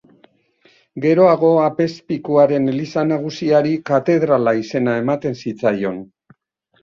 Geroago apezpikuaren eliza nagusiari katedrala izena ematen zitzaion.